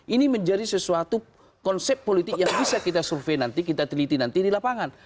ini menjadi sesuatu konsep politik yang bisa kita survei nanti kita teliti nanti di lapangan